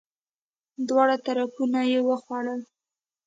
دواړه طرفونه یی وخوړل!